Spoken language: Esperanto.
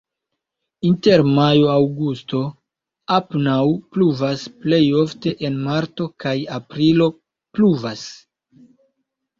Inter majo-aŭgusto apenaŭ pluvas, plej ofte en marto kaj aprilo pluvas.